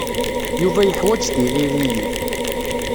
Yuba yeḥwaj tiririyin.